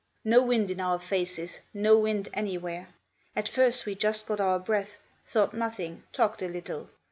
No wind in our faces, no wind anywhere. At first we just got our breath, thought nothing, talked a little.